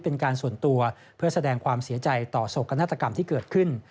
เป็นการส่วนตัวเพื่อแสดงความเสียใจต่อโศกนาฏกรรมที่เกิดขึ้น